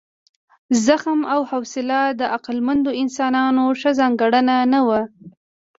زغم او حوصله د عقلمنو انسانانو ښه ځانګړنه نه وه.